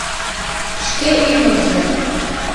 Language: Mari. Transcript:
Шке ӱмыржӧ!